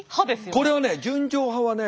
これはね純情派はね